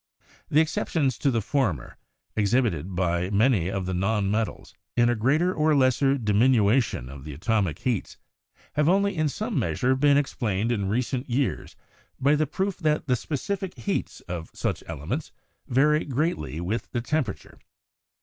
The exceptions to the former, exhibited by many of the non metals in a greater or lesser diminution of the atomic heats, have only in BERZELIUS AND THE ATOMIC THEORY 213 some measure been explained in recent years by the proof that the specific heats of such elements vary greatly with the temperature.